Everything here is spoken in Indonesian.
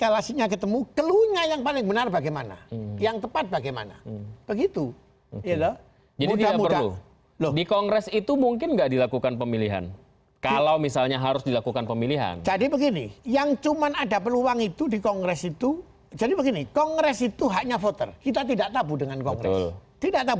apakah kita ke picture terhadap pgp mengeluarkanulin paint ivan sebaik inappropriate